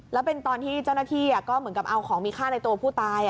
แล้วเป็นตอนที่เจ้าหน้าที่ก็เหมือนกับเอาของมีค่าในตัวผู้ตาย